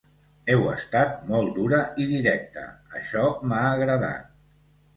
Heu estat molt dura i directa, això m’ha agradat.